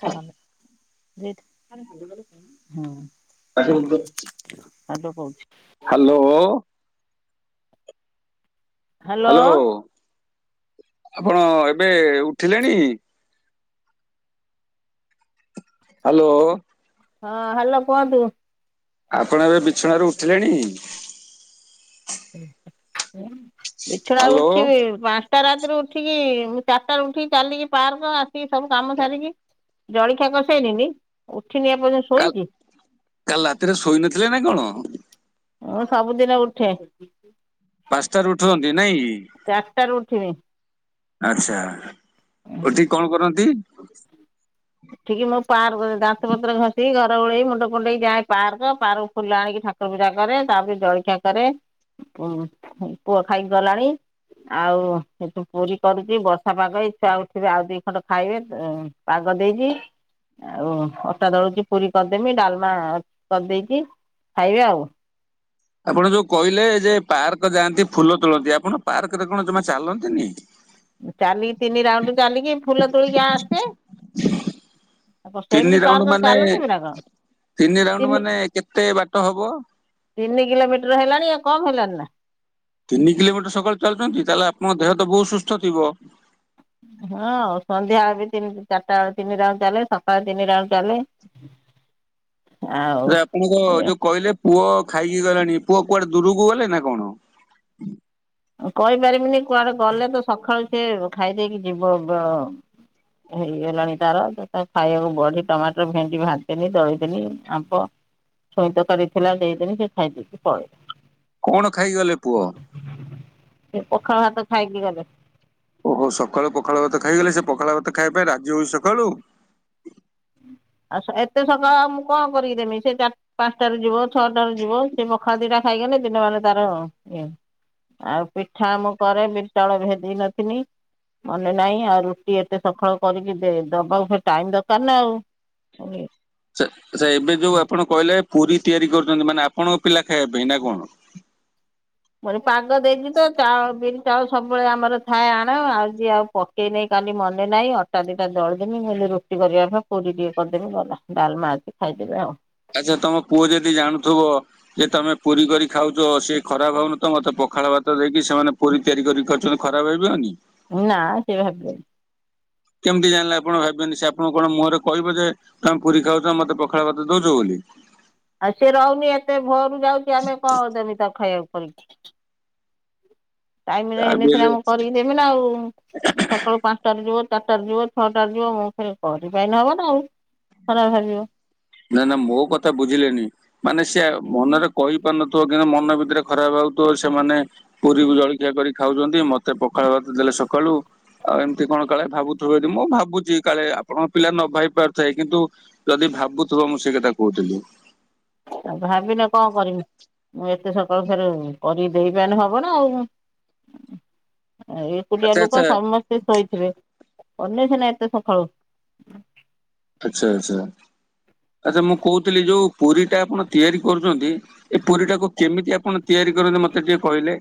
ହଁ [unintelligible] ଆଡ କହୁଛି hello hello hello ଆପଣ ଏବେ ଉଠିଲେଣି ହ୍ୟାଲୋ ହଁ ହାଲୋ କୁହନ୍ତୁ ଆପଣ ଏବେ ବିଛଣାରୁୁ ଉଠିଲେଣି ବିଛଣା ହ୍ୟାଲୋ ଉଠିବି ପାଞ୍ଚ ଚାରିଟା ରାତିରେ ଉଠିକି ଚାରିଟା ଉଠିକି ଚାଲିକି ପାର୍କ ଆସିକି ସବୁ କାମ ସାରିକି ଜଳିଖିଆ କରିସାଇନି ନି ଉଠିନି ଏପର୍ଯ୍ୟନ୍ତ କା ଶୁଇଁଛି କାଲି ରାତିରେ ଶୋଇ ନଥିଲେ ନା କଣ? ମୁଁ ସବୁଦିନ ଉଠେ ପାସ୍ତାରୁ ଉଠୁଛନ୍ତି ନାଇଁ ଚାରିଟା ରୁ ଉଠିବି ଆଚ୍ଛା ଉଠିକି କଣ କରନ୍ତି? ଉଠିକି ମୁଁ ପାର୍କ ଦାସ ପତ୍ର ଘଷି ଘର ଉଳେଇ ମୁଣ୍ଡ କୁଣ୍ଡେଇ ଯାଏ ପାର୍କ ପାର୍କ ଫୁଲ ଆଣିକି ଠା କୁର ପୂଜା କରେ ତାପରେ ଜଳଖିଆ କରେ ଉ ପୁଅ ଖାଇକି ଗଲାଣି ଆଉ ଏଠୁ ପୁରୀ କରିକି ବର୍ଷା ପାଗ ଏଇ ଛୁଆ ଉଠିବେ ଆଉ ଦି ଖଣ୍ଡ ଖାଇବେ କଦେଇଛିି ଆଉ ଅଟା ଦଳୁଛି ପୁରୀ କରିଦେମି ଡାଲମା କରିଦେଇଛି ଖାଇବେ ଆଉ ଆପଣ ଯୋଉ କହିଲେ ଯେ ପାର୍କ ଯାଆନ୍ତି ଫୁଲ ତୋଳନ୍ତି ଆପଣ ପାର୍କ ରେ କଣ ଯମା ଚାଲନ୍ତିନି ଚାଲିକି ତିନି ରାଉଣ୍ଡୁ ଚାଲିକି ଫୁଲ ତୋଳିକି ଆସେ ଆଉ ତିନି ସେମିତି ରାଉଣ୍ଡ ପାର୍କ ମାନେ ଚାଲୁଥିବି ନା କଣ ତିନି ରାଉଣ୍ଡ ମାନେ କେତେ ବାଟ ହବ? ତିନି କିଲୋମିଟର ହେଲାଣି ଆ କମ ହେଲାଣି ନା ତିନି କିଲୋମିଟର ସକାଳୁ ଚାଲୁଛନ୍ତି ତାହେଲେ ଆପଣଙ୍କ ଦେହ ତ ବହୁତ ସୁସ୍ଥ ଥିବ ହଁ ଆଉ ସନ୍ଧ୍ୟା ବେଳେ ବି ସେମି ଚାରିଟା ବେଳେ ତିନିଟା ଵେଳୁ ଚାଲେ ସକାଳ ତିନିଟାଉ ଚାଲେ [inaudible] ଆଉ ଆରେ ଆପଣଙ୍କ ଯୋଉ କହିଲେ ପୁଅ ଖାଇକି ଗଲେଣି ପୁଅ କୁଆଡେ ଦୂରକୁ ଗଲେ ନା କଣ କହିପାରିବିନି କୁଆଡେ ଗଲେ ତ ସକାଳୁ ସିଏ ଖାଇଦେଇକି ଯିବ [unintelligible] ହେଇଗଲାଣି ତାର ଖାଇବାକୁ ବଢି ଟମାଟର ଭେଣ୍ଡି ଭାଜିଦେନି ଦଳିଦେନି ଆମ୍ପ ଛୁଇ ତରକାରୀ ଥିଲା ସେଦେଇ ଦେମି ସେ ଖାଇଦେଇକି ପଳେଇ କଣ ଖାଇଗଲେ ପୁଅ? ସେ ପଖାଳ ଭାତ ଖାଇକି ଗଲେ ଓହୋ ସକାଳୁ ପଖାଳ ଭାତ ଖାଇଗଲେ ସେ ପଖାଳ ଭାତ ଖାଇବା ପାଇଁ ରାଜି ହଉଛି ସକାଳୁ। ଆଉ ସେ ଏତେ ସକାଳ ମୁଁ କଣ କରିକି ଦେମି ସେ ଚ ପାଞ୍ଚଟାରେ ଯିବ ଛଅଟାରେ ଯିବ ସେ ପଖାଳ ଦିଟା ଖାଇଗଲେ ଦିନ ମାନେ ତାର ଇଏ ଆଉ ପିଠା ମୁଁ କରେ ବିରି ଚାଉଳ ଭେଦେଇ ନିଥିନି। ମନେ ନାହିଁ ଆଉ ରୁଟି ଏତେ ସକାଳ କରିକି ଦବାକୁ ଫେର ଟାଇମ ଦରକାର ନା ଆଉ [unintelligible] ସେ ସେ ଏବେ ଯୋଉ ଆପଣ କହିଲେ ପୁରୀ ତିଆରି କରୁଛନ୍ତି ମାନେ ଆପଣଙ୍କ ପିଲା ଖାଇବା ପାଇଁ ନା କଣ? ମାନେ ପାଗ ଦେଇଛି ତ ଚାଉଳ ବିରି ଚାଉଳ ସବୁ ସବୁବେଳେ ଆମର ଥାଏ ଆଣ ଆଉ ଯ ଆଉ ପକେଇ ନେଇ କାଲି ମନେ ନାହିଁ ଅଟା ଦିଟା ଦଳିଦେନି ମୁ ରୁଟି କରିବା ପୁରୀ ଟିକେ କରିଦେବି ଗଲା ଡାଲମା ଅଛି ଖାଇଦେବେ ଆଉ। ଆଚ୍ଛା ତମ ପୁଅ ଯଦି ଜାଣୁଥିବ ଯେ ତମେ ପୁରୀ କରି ଖାଉଛ ସେ ଖରାପ ଭାବୁନଥିବ ତ ମତେ ପଖାଳ ଭାତ ଦେଇକି ସେମାନେ ପୁରୀ ତିଆରି କରି ଖାଉଛନ୍ତି ଖରାପ ଭାବିବନି। ନା ସିଏ ଭାବିବନି। କେମିତି ଜାଣିଲେ ଆପଣ ଭାବିବେନି ସେ ଆପଣ କଣ ମୁହଁରେ କହିବେ ଯେ ତମେ ପୁରୀ ଖାଉଛ ମତେ ପଖାଳ ଭାତ ଦଉଛ ବୋଲି। ଆଉ ସିଏ ରହୁନି ଏତେ ଭୋରରୁ ଯାଉଛି ଆମେ କଣଦମି ତାକୁ ଖାଇବାକୁ କରିକି। ଟାଇମରେ ଯାହା ହେଲେ ବି ସିନା ମୁଁ କରିକିଦେମି ନା ଆଉ ସକାଳୁ ପାଞ୍ଚଟାରେ ଯିବ ଚାରିଟାରେ ଯିବ ଛଅଟାରେ ଯିବ ମୁଁ ଫେର କରିପାରିଲେ ହବ ନା ଆଉ। ଖରାପ ଭାବିବ। ନା ନା ମୋ କଥା ବୁଝିଲେନି ମାନେ ସେ ମନରେ କହିପାରୁନଥିବ କିନ୍ତୁ ମନ ଭି ରେ ଖରାପ ଭାବୁଥିବ ସେମାନେ ପୁରୀକୁ ଜଳଖିଆ କରି ଖାଉଛନ୍ତି ମତେ ପଖାଳ ଭାତ ଦେଲେ ସକାଳୁ ଆଉ ଏମିତି କଣ କାଳେ ଭାବୁଥିବ ଯଦି ମୁଁ ଭାବୁଛି କାଳେ ଆପଣଙ୍କ ପିଲା ନ ଭାବି ପାରୁଥାଏ କିନ୍ତୁ ଯଦି ଭାବୁଥିବ ମୁଁ ସେ କଥା କହୁଥିଲି। ଆଉ ଭାବିନେ କଣ କରିମି? ମୁଁ ଏତେ ସକାଳୁ ଫେର କରିକି ଦେଇ ପାରିଲେ ହବ ନା ଆଉ ଏ ଏକୁଟିଆ ଆଚ୍ଛା ଆଚ୍ଛା ଲୋକ ସମସ୍ତେ ଶୋଇଥିବେ କନେ ସିନା ଏତେ ସକାଳୁ। ଆଚ୍ଛା ଆଚ୍ଛା ଆଚ୍ଛା ମୁଁ କହୁଥିଲି ଯୋଉ ପୁରିଟା ଆପଣ ତିଆରି କରୁଛନ୍ତି ଏ ପୁରିଟାକୁ କେମିତି ଆପଣ ତିଆରି କରନ୍ତି ମତେ ଟିକେ କହିଲେ?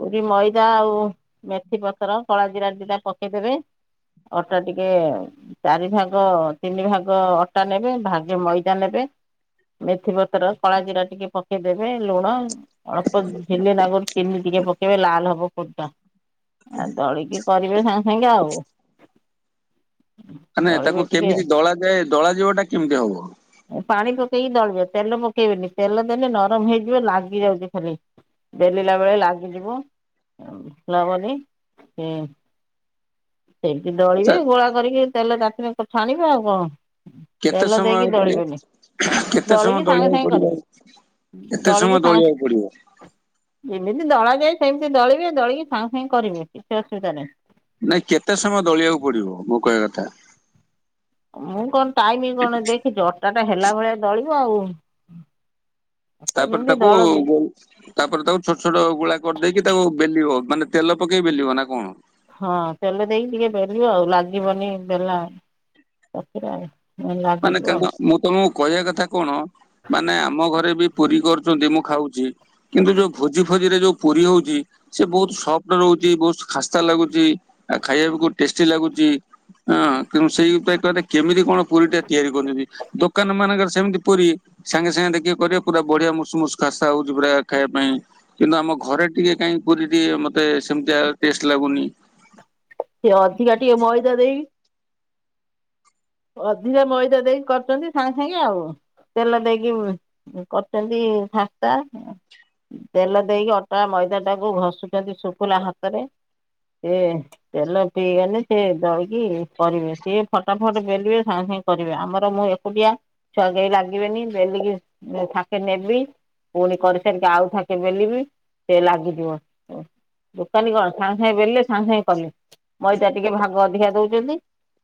ପୁରୀ ମଇଦା ଆଉ ମେଥି ପତ୍ର କଳା ଜିରା ଦିଟା ପକେଇଦେବେ ଅଟା ଟିକେ ଚାରି ଭାଗ ତିନି ଭାଗ ଅଟା ନେବେ ଭାଗେ ମଇଦା ନେବେ ମେଥିପତ୍ର କଳା ଜିରା ଟିକେ ପକେଇଦେବେ ଲୁଣ ଅଳ୍ପ ଝିଲେ ନାକୁ ଚିନି ଟିକେ ପକେଇବେ ଲାଲ ହବ ପୁରିଟା ଦଳିକି କରିବେ ସାଙ୍ଗେ ସାଙ୍ଗେ ଆଉ ମାନେ ଦଳିବେ ତାକୁ ଟିକେ କେମିତି ଦଳାଯାଏ ଦଳାଯିବା ଟା କେମିତି ହବ? ପାଣି ପକେଇକି ଦଳିବ ତେଲ ପକେଇବେନି ତେଲ ଦେଲେ ନରମ ହେଇଯିବ ଲାଗି ଯାଉଛି ଖାଲି। ବେଲିଲା ବେଳେ ଲାଗ ଯିବ ଲା ବେଲି ହବନି। ସେନି ଦଳିବେ ଆଚ୍ଛା ଗୋଳା କରିକି ତେଲ ତାତିଲେ ଛାଣିବେ ଆଉ କଣ? କେତେ ତେଲ ଦେଇକି ସମୟ ପଡିବ ଦଳିବେନି। କେତେ ସମୟ ଦଳିକି ସାଙ୍ଗେ ଦଳିବାକୁ ସାଙ୍ଗେ ପଡିବ କରିବେ କେତେ ସମୟ ଦଳିକି ଦଳିବାକୁ ସାଙ୍ଗ ପଡିବ? ଯେମିତି ଦଳାଯାଏ ସେମିତି ଦଳିବେ ଦଳିକି ସାଙ୍ଗେ ସାଙ୍ଗେ କରିବେ କିଛି ଅସୁବିଧା ନାହିଁ। ନାଇଁ କେତେ ସମୟ ଦଳିବାକୁ ପଡିବ ମୋ କହିବା କଥା। ମୁଁ କଣ ଟାଇମ କଣ ଦେଖିଛି ଅଟାଟା ହେଲା ଭଳିଆ ଦଳିବ ଆଉ। ଅଟା ତାପରେ ଯେମିତି ତାକୁ ଦଳନ୍ତି ତାପରେ ତାକୁ ଛୋଟ ଛୋଟ ଗୁଳା କରିଦେଇକି ତାକୁ ବେଲିବ ମାନେ ତେଲ ପକେଇକି ବେଲିବ ନା କଣ? ହଁ ତେଲ ଦେଇକି ଟିକେ ବେଲିବ ଆଉ ଲାଗିବନି ହେଲା ମାନେକଙ୍ଗ ମୁଁ ତମକୁ କହିଆ କଥା କଣ ମାନେ ଆମ ଘରେ ବି ପୁରୀ କରୁଛନ୍ତି ମୁଁ ଖାଉଛି। କିନ୍ତୁ ଯୋଉ ଭୋଜି ଫୋଜିରେ ଯୋଉ ପୁରୀ ହଉଛି ସେ ବହୁତ ସଫ୍ଟ ରହୁଛି ବହୁତ ଖାସ୍ତା ଲାଗୁଚି। ଆଉ ଖାଇବାକୁ ବହୁତ୍ ଟେଷ୍ଟି ଲାଗୁଛି ହଁ କିନ୍ତୁ ସେଇ ଉପାୟ ଟାରେ କେମିତି କଣ ପୁରୀ ଟେ ତିଆରି କରୁଛନ୍ତି ଦୋକାନ ମାନଙ୍କର ସେମିତି ପୁରୀ ସାଙ୍ଗେ ସାଙ୍ଗେ ଦେଖିକି କରିବ ପୁରା ବଢିଆ ମୂସ ମୂସ ଖାସା ହଉଛି ପୁରା ଖାଇବା ପାଇଁ। କିନ୍ତୁ ଆମ ଘରେ ଟିକେ କାଇଁ ପୁରୀ ଟିଏ ମତେ ସେମିତିଆ ଟେଷ୍ଟ ଲାଗୁନି। ସିଏ ଅଧିକା ଟିକେ ମଇଦା ଦେଇି ଅଧିକା ମଇଦା ଦେଇ କରୁଛନ୍ତି ସାଙ୍ଗେ ସାଙ୍ଗେ ଆଉ। ତେଲ ଦେଇକି କରୁଛନ୍ତି ଖାସ୍ତା। ତେଲ ଦେଇକି ଅଟା ମଇଦା ଟାକୁ ଘଷୁଛନ୍ତି ଶୁଖୁିଲା ହାତରେ। ସେ ତେଲ ପିଇଗଲେ ସେ ଦଳିକି କରିବେ ସିଏ ଫଟାଫଟ ବେ ସିଏ ସାଙ୍ଗେ ସାଙ୍ଗେ କରିବେ ଆମର ମୁଁ ଏକୁଟିଆ ଛଗେଇ ଲାଗିବେନି ବେଲିକି ଥାକେ ନେବି। ପୁଣି କରିସାରିକି ଆଉ ଥାକେ ବେଲବି ସେ ଲାଗିଯିବ। ଦୋକାନୀ କଣ ସାଙ୍ଗେ ସାଙ୍ଗେ ବେଲେ ସାଙ୍ଗେ ସାଙ୍ଗେ କଲେ ମଇଦା ଟିକେ ଭାଗ ଅଧିକା ଦଉଛନ୍ତି।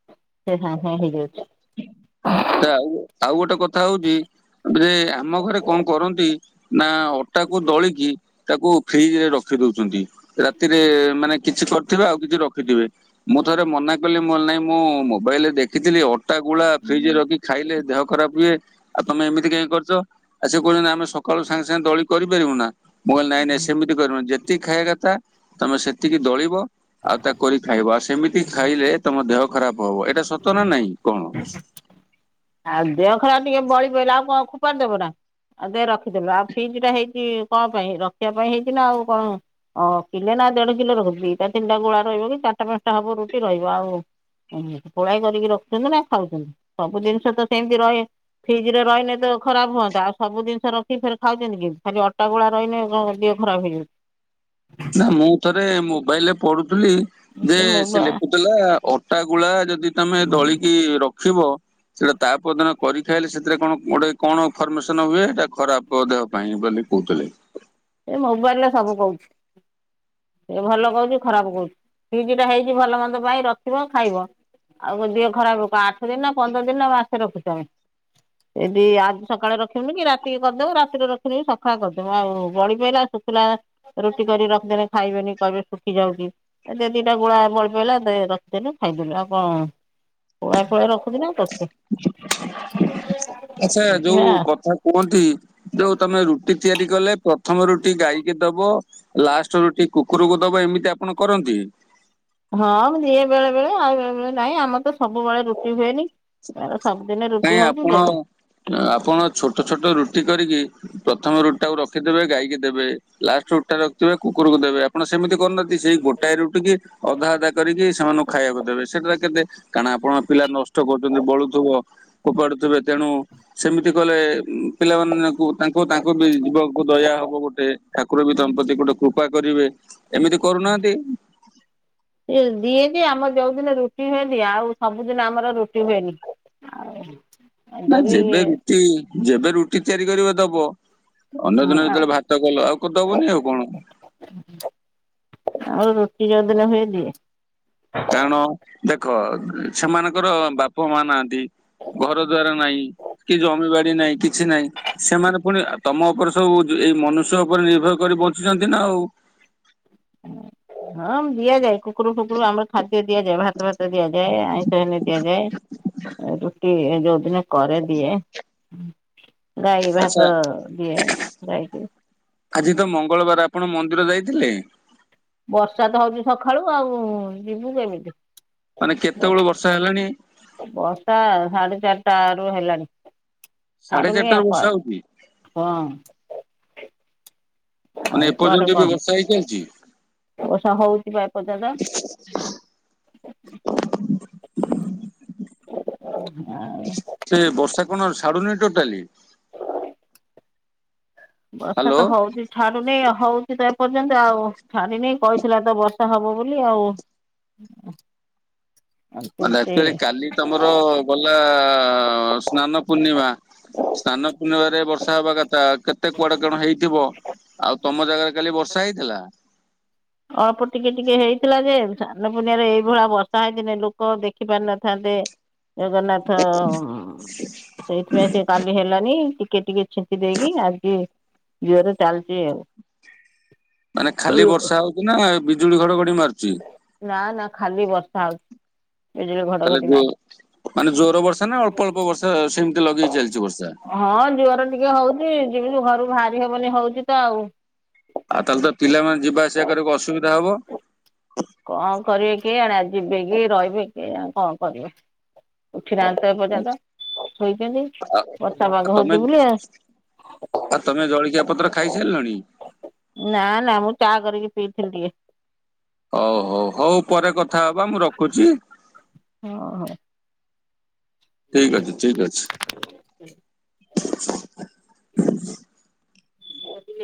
ସେ ସଙ୍ଗେ ସଙ୍ଗେ ହେଇଯାଉଚି। ତା ଆଉ ଗୋଟେ କଥା ହଉଛି ଯେ ଆମ ଘରେ କଣ କରନ୍ତି ନା ଅ ଅଟାକୁ ଦଳିକି ତାକୁ ଫ୍ରିଜ ରେ ରଖି ଦଉଛନ୍ତି ରାତିରେ ମାନେ କିଛି କ ଥିବେ ଆଉ କିଛି ରଖିଥିବେ ମୁଁ ଥରେ ମନା କଲି ମୁଁ କହିଲି ନାଇଁ ମୁଁ ମୋବାଇଲରେ ଦେଖିଥିଲି ଅ ଟା ଗୁଳା ଫ୍ରିଜ୍ ରେ ରଖି ଖାଇଲେ ଦେହ ଖରାପ ହୁଏ ଆଉ ତମେ ଏମିତି କାଇଁ କରିଛ? ଆଉ ସେ କହୁଛନ୍ତି ଆମେ ସକାଳୁ ସାଙ୍ଗେ ସାଙ୍ଗେ ଦଳି କରିପାରିବୁ ନା। ମୁଁ କହିଲି ନାଇଁ ନାଇଁ ସେମିତି କରିବିନି ଯେତିକି ଖାଇବା କଥା ତମେ ସେତିକି ଦଳିବ ଆଉ ତା କରି ଖାଇବ ଆଉ ସେମିତି ଖାଇଲେ ତମ ଦେହ ଖରାପ ହବ ଏଟା ସତ ନା ନାଇଁ କଣ? ଆଉ ଦେହ ଖରା ଟିକେ ବଳି ପଇଲା ଆଉ କଣ ଖୋପଡ଼ି ଦବ ନା। ଆଉ ଦେ ରଖିଦେଲୁ ଆଉ ଫ୍ରିଜ୍ ଟା ହେଇଛି କଣ ପାଇଁ ରଖିବା ପାଇଁ ହେଇଛି ନା ଆଉ କଣ ଓଁ କିଲେ ନା ଦେଢ କିଲୋ ରହୁଛିି ଦିଟା ତିନଟା ଗୁଳା ରହିବ କି ଚାରିଟା ପାଞ୍ଚଟା ହବ ରୁଟି ରହିବ ଆଉ ଓଁ ପୋଳାଇ କରିକି ରଖୁଛନ୍ତି ନା ଖାଉଛନ୍ତି ସବୁ ଜିନିଷ ତ ସେମିତି ରହେ। ଫ୍ରିଜ୍ ରେ ରହିନେ ତ ଖରାପ ହୁଅନ୍ତା ଆଉ ସବୁ ଜିନିଷ ରଖି ଫେରେ ଖାଉଛନ୍ତି କେମିତି ଖାଲି ଅଟାଗୁଳା ରହିନେ ଯୋ ଖରାପ। [unintelligible] ନା ମୁଁ ଥରେ ମୋବାଇଲ ରେ ପଢୁଥିଲି ଯେ ସେ ଲେଖୁ ଲା ଅଟା ଗୁଳା ଯଦି ତମେ ଦଳିକି ରଖିବ ସେଟା ତାପଦିନ କରି ଖାଇଲେ ସେଥିରେ କଣ ଗୋଟେ କଣ ଫର୍ମେସନ ହୁଏ ଏଟା ଖରାପ ଦେହ ପାଇଁ ବୋଲି। କହୁଥିଲେ। ଏ ମୋବାଇଲ୍ ରେ ସବୁ କହୁଛି। ଏ ଭଲ କହୁଛିୁ ଖରାପ କହୁଛିୁ ଫିଜ୍ ଟା ହେଇଛି ଭଲ ମନ୍ଦ ପାଇଁ ରଖିବ ଖାଇବ। ଆଉ ଗୋ ଦିହ ଖରାପ ରୋକ ଆଠ ଦିନ ନା ପନ୍ଦର ଦିନ ନା ମାସେ ରଖୁଛୁ ଆମେ। ଏଦି ଆଜି ସକାଳେ ରଖିବୁନି କି ରାତିକି କରିଦୋବୁ ରାତିରେ ରଖିଦୋବୁ ସକାଳେ କରିଦବୁ ଆଉ। ବଳି ପଇିଲା ଶୁଖିଲା ରୁଟି କରି ରଖିଦେଲେ ଖାଇବେନି କହିବେ ଶୁଖି ଯାଉଛି। ଏ ଦିଟା ଗୁଳା ବଳି ପାଇଲା ରଖିଦେଲୁ ଖାଇଦେଲୁ ଆଉ କଣ ପୁଳାଏ ପୁଳାଏ ରଖୁଛି ନା କରୁଛୁ ଆଛା ଯୋଉ ଏଇଭଳିଆ କଥା କୁହନ୍ତି ଯୋଉ ତମେ ରୁଟି ତିଆରି କଲେ ପ୍ରଥମ ରୁଟି ଗାଇକି ଦବ ଲାଷ୍ଟ ରୁଟି କୁକୁରକୁ ଦବ ଏମିତି ଆପଣ କରନ୍ତି। ହଁ ମୁ ଦିଏ ବେଳେ ବେଳେ ଆଉ ବେଳେବେଳେ ନାଇଁ ଆମର ତ ସବୁବେଳେ ରୁଟି ହୁଏନି। ତାର ସବୁଦିନେ ରୁଟି କାଇଁ ହଉଛି ଆପଣ ଦେବେ ଆପଣ ଛୋଟ ଛୋଟ ରୁଟି କରିକି ପ୍ରଥମ ରୁଟି ଟାକୁ ରଖିଥିବେ ଗାଈକି ଦେବେ ଲାଷ୍ଟ ରୁଟି ଟା ରଖିଥିବେ କୁକୁରକୁ ଦେବେ ଆପଣ ସେମିତି କରୁନାହା ନ୍ତି ସେଇ ଗୋଟାଏ ରୁଟି କି ଅଧା ଅଧା କରିକି ସେମାନଙ୍କୁ ଖାଇବାକୁ ଦେବେ ସେଟାରେ କେତେ କାରଣ ଆପଣଙ୍କ ପିଲା ନସ୍ ଷ୍ଟ କରୁଚନ୍ତି ବଳୁଥୁବ ଫୋପାଡୁଥିବେ ତେଣୁ ସେମିତି କଲେ ଉଁ ପିଲାମାନଙ୍କୁ ତାଙ୍କୁ ତାଙ୍କୁ ବି ଜିବକୁ ଦୟା ହବ ଗୋଟେ ଠାକୁର ବି ତମ ପ୍ରତି ଗୋଟେ କୃପା କରିବେ। ଏମିତି କରୁନାହାନ୍ତି। ହେଲ ଦିଏ ଯେ ଆମର ଯୋଉ ଦିନ ରୁଟି ହୁଏ ଦିଏ ଆଉ ସବୁଦିନ ଆମର ରୁଟି ହୁଏନି। ଆଉ ହଁ ନାଇଁ ଯେବେ ରୁଟି ଯେବେ ରୁଟି ତିଆରି କରିବ ଦବ। ଅନ୍ୟ ଦିନ ଯେତେବେଳେ ଭାତ କଲ ଆଉ କ ଦବନି ଆଉ କଣ। ଆଉ ରୁଟି ଯୋଉଦିନ ହୁଏ ଦିଏ। କାରଣ ଦେଖ ସେମାନଙ୍କର ବାପ ମା ନାହାନ୍ତି। ଘର ଦ୍ୱାର ନାଇଁ କି ଜମିବାଡ଼ି ନାଇଁ କି ଛି ନାଇଁ ସେମାନେ ଫୁଣି ତମ ଉପରେ ସବୁ ଯେ ଏଇ ମନୁଷ୍ୟ ଉପରେ ନିର୍ଭର କରି ବଞ୍ଚୁଚନ୍ତି ନା ଆଉ। ହଁ ମ୍ ଦିଆଯାଏ କୁ କୁକୁରକୁ ଫୁକୁରକୁ ଆମର ଖାଦ୍ୟ ଦିଆଯାଏ ଭାତ ଫାତ ଦିଆଯାଏ ଆଇଁଷ ହେଲେ ଦିଆଯାଏ। ରୁଟି ଏ ଯୋଉଦିନ କରେ ଦିଏ ଗାଈ ଆଚ୍ଛା ଭାତ ଦିଏ ଗାଈକୁ। ଆଜି ତ ମଙ୍ଗଳବାର ଆପଣ ମନ୍ଦିର ଯାଇଥିଲେ? ବର୍ଷା ତ ହଉଚି ସଖାଳୁ ଆଉଁ ଯିବୁ କେମିତି? ମାନେ କେତେବେଳୁ ବର୍ଷା ହେଲାଣି? ବର୍ଷା ସାଢ଼େ ଚାରଟା ରୁ ହେଲାଣି। ସାଢେ ଛାଡ଼ୁନି ଚାରିଟାରୁ ଆଉ କଣ ବର୍ଷା ହଉଛି ହଁ ମାନେ ଆଉ କୁଆଡ଼େ ଏପର୍ଯ୍ୟନ୍ତ ବି କଣ ବର୍ଷା ହେଇ ଚାଲିଛି। ବର୍ଷା ହଉଚି ପା ଏ ପର୍ଯ୍ୟନ୍ତ। ଓ ହ [inaudible] ସେ ବର୍ଷା କଣ ଛାଡ଼ୁନି ଟୋଟାଲି? ବର୍ଷା ହ୍ୟାଲୋ। ତ ହଉଚି ଛ ଛାଡ଼ୁ ନେଇ ଅ ହଉଚି ତ ଏପର୍ଯ୍ୟନ୍ତ ଆଉ ଛାଡ଼ି ନେଇ କହିଥିଲା ତ ବର୍ଷା ହବ ବୋଲି ଆଉ। ହଁ [unintelligible] ମାନେ ଆକ୍ଚୁଆଲି କାଲି ତମର ଗଲା ଆ ଆ ଆ ସ ସ୍ନାନ ପୂର୍ଣ୍ଣିମା ସ୍ନାନ ପୂର୍ଣ୍ଣିମାରେ ବର୍ଷା ହେବା କଥା କେତେ କୁଆଡ଼େ କଣ ହେଇଥିବ। ଆଉ ତମ ଜାଗାରେ କାଲି ବର୍ଷା ହେଇଥିଲା? ଅଳ୍ପ ଟିକେ ଟିକେ ହେଇଥିଲା ଯେ ସ୍ନାନ ପୁର୍ଣିମାରେ ଏଇଭଳିଆ ବର୍ଷା ହେଇଥିନେ ଲୋକ ଦେଖି ପାରିନଥାନ୍ତେ। ଜଗନ୍ନାଥ ଅ ଅ ଉଁ ସେଇଥିପାଇଁ ସେ କାଲି ହେଲାନେଇ ଟିକେ ଟିକେ ଛି ଞ୍ଚି ଦେଇକି ଆଜି ଜୋରରେ ଚାଲଚି ଆଉ। ମାନେ ଖାଲି ବର୍ଷା ହଉଚି ନା ବିଜୁଳି ଘଡ଼ ଘଡ଼ି ମାରୁଚି? ନା ନା ଖାଲି ବର୍ଷା ହଉଚି ବିଜୁଳି ତାହେଲେ ଘଡ଼ଘଡ଼ି ଯୋ ନାଇଁ। ମାନେ ଜୋର ବର୍ଷା ନା ଅଳ୍ପ ଅଳ୍ପ ବର୍ଷା ସେମତି ଲଗେଇ ଚାଲଚି ବର୍ଷା। ହଁ ଜୁଅର ଟିକେ ହଉ ଚି ଯିମିତି ଘରୁ ବାହାରି ହେବନି ହଉଚି ତ ଆଉ। ଆଉ ତାହାଲେ ତ ପିଲାମାନେ ଯିବା ଆସିବା କରିବାକୁ ଅସୁବିଧା ହବ? କଣ କରିବେ କେଜାଣି ଆଜି ଯିବେ କି ରହିବେ କେଜାଣି କଣ କରିବେ। ଉଠିିନାହାନ୍ତି ତ ଏ ଆଉ ପର୍ଯ୍ୟନ୍ତ ଶୋଇଚନ୍ତି ବର୍ଷା ପାଗ ତମେ ହଉଚି ବୁଲି ଆ ହ [unintelligible] ଆଉ ତମେ ଜଳଖିଆ ପତ୍ର ଖାଇସାରିଲଣି। ନା ନା ମୁଁ ଚା କରିକି ପିଇଥିଲି ଟିକେ। ହଉ ହଉ ହଉ ପରେ କଥା ହବା ମୁଁ ରଖୁଛି। ହଁ ହଁ। ଠିକ ଅଛି ଠିକ ଅଛି। ବୁଝିଲେ